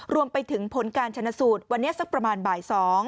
รวมไปถึงผลการชนะสูตรวันนี้สักประมาณบ่าย๒